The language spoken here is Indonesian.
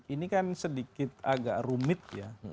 ini kan sedikit agak rumit ya